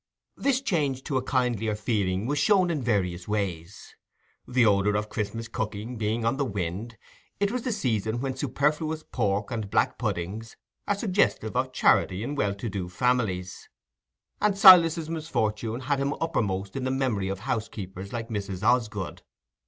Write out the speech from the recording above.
This change to a kindlier feeling was shown in various ways. The odour of Christmas cooking being on the wind, it was the season when superfluous pork and black puddings are suggestive of charity in well to do families; and Silas's misfortune had brought him uppermost in the memory of housekeepers like Mrs. Osgood.